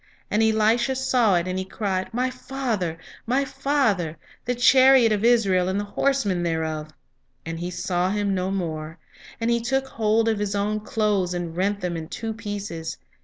"And Elisha saw it, and he cried, My father, my father, the chariot of Israel, and the horsemen thereof! And he saw him no more; and he took hold of his own clothes, and rent them in two pieces.